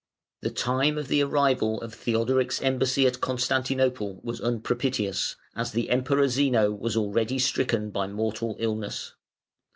The time of the arrival of Theodoric's embassy at Constantinople was unpropitious, as the Emperor Zeno was already stricken by mortal illness.